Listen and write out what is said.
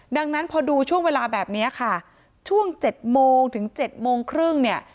ดังนั้นพอดูช่วงเวลาแบบนี้ค่ะช่วง๗โมงถึง๗โมงครึ่งเนี่ย